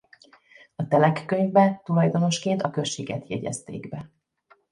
A telekkönyvbe tulajdonosként a községet jegyezték be.